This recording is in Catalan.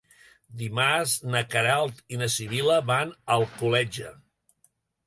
Dimarts na Queralt i na Sibil·la van a Alcoletge.